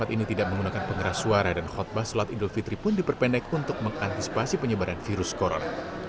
ternyata ya kegagalan